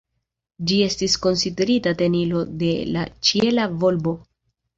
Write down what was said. Ĝi estis konsiderita tenilo de la ĉiela volbo.